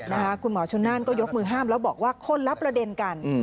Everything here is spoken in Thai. มัวชนานก็ยกมือห้ามบอกว่าคนรับประเด็นกัน